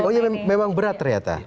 oh iya memang berat ternyata